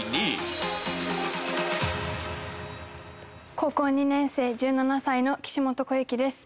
高校２年生１７歳の岸本小雪です